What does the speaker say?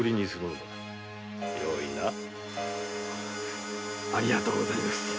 ありがとうございます。